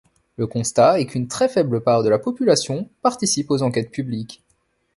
Le constat est qu'une très faible part de la population participe aux enquêtes publiques.